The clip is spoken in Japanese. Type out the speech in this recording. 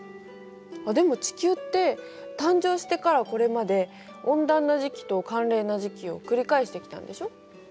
でも地球って誕生してからこれまで温暖な時期と寒冷な時期を繰り返してきたんでしょ。